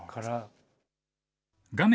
画面